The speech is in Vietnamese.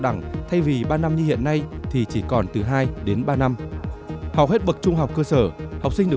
đẳng thay vì ba năm như hiện nay thì chỉ còn từ hai đến ba năm học hết bậc trung học cơ sở học sinh được